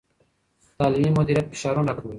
تعلیمي مدیریت فشارونه راکموي.